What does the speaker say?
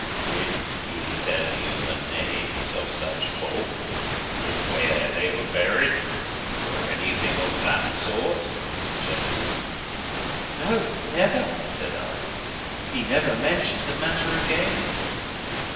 "Did he tell you the names of such folk, or where they were buried, or anything of that sort?" he suggested. "No never," said I. "He never mentioned the matter again."